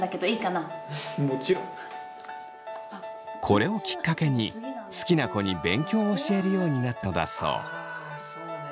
これをきっかけに好きな子に勉強を教えるようになったのだそう。